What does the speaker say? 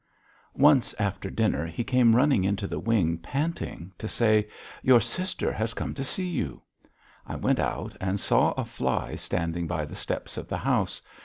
IV Once after dinner he came running into the wing, panting, to say: "Your sister has come to see you." I went out and saw a fly standing by the steps of the house.